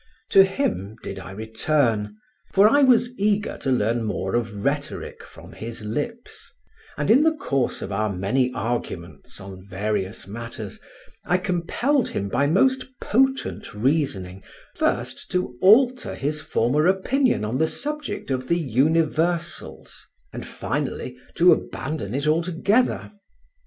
To him did I return, for I was eager to learn more of rhetoric from his lips; and in the course of our many arguments on various matters, I compelled him by most potent reasoning first to alter his former opinion on the subject of the universals, and finally to abandon it altogether.